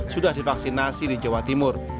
sudah divaksinasi di jawa timur